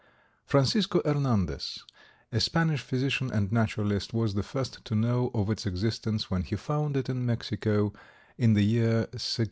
Francisco Hernandez, a Spanish physician and naturalist, was the first to know of its existence when he found it in Mexico in the year 1651.